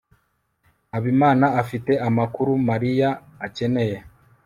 habimana afite amakuru mariya akeneye